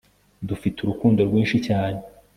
dufite urukundo rwinshi cyane